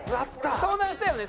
相談したよね？